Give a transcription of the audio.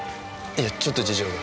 いえちょっと事情が。